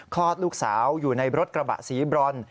คลอดลูกสาวอยู่ในรถกระบะสีบรอน